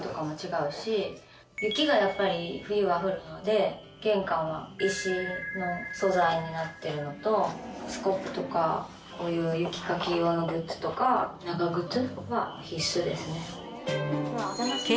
雪がやっぱり冬は降るので玄関は石の素材になってるのとスコップとかこういう雪かき用のグッズとか長靴は必須ですね。